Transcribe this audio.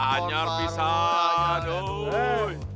anjar bisa tuh